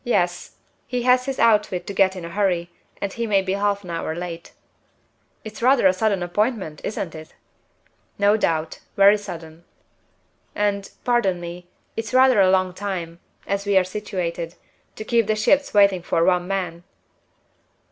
"Yes. He has his outfit to get in a hurry, and he may be half an hour late." "It's rather a sudden appointment, isn't it?" "No doubt. Very sudden." "And pardon me it's rather a long time (as we are situated) to keep the ships waiting for one man?"